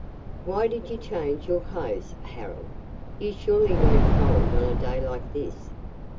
"Why did you change your clothes, Harold? You surely weren't cold on a day like this.